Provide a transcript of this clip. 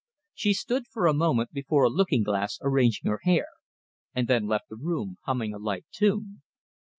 She stood for a moment before a looking glass arranging her hair, and then left the room humming a light tune.